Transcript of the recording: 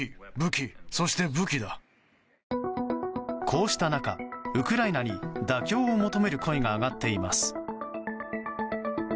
こうした中、ウクライナに妥協を求める声が上がっています。